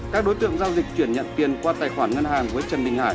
các đối tượng giao dịch chuyển nhận tiền qua tài khoản ngân hàng với trần đình hải